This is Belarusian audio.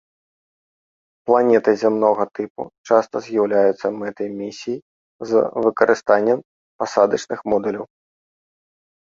Планеты зямнога тыпу часта з'яўляюцца мэтай місій з выкарыстаннем пасадачных модуляў.